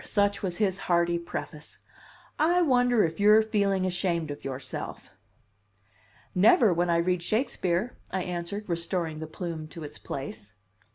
such was his hearty preface. "I wonder if you're feeling ashamed of yourself?" "Never when I read Shakespeare," I answered restoring the plume to its place.